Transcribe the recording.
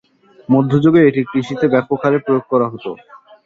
মধ্যযুগেও এটি কৃষিতে ব্যাপক হারে প্রয়োগ করা হতো।